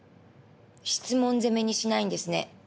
質問攻めにしないんですね。